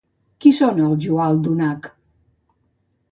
Qui són els Joaldunak?